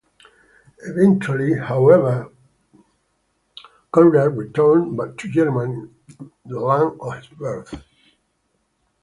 Eventually, however, Konrad returned to Germany, the land of his birth.